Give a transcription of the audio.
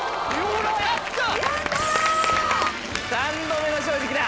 ３度目の正直だ。